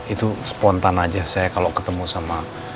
itu spontan aja saya kalau ketemu sama